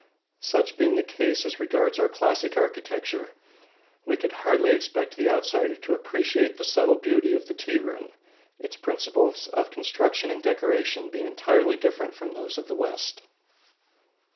Such being the case as regards our classic architecture, we could hardly expect the outsider to appreciate the subtle beauty of the tea room, its principles of construction and decoration being entirely different from those of the West.